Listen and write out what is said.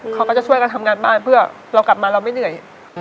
เขาก็จะช่วยกันทำงานบ้านเพื่อเรากลับมาเราไม่เหนื่อย